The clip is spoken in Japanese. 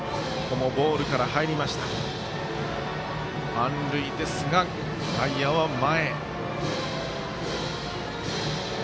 満塁ですが外野は前。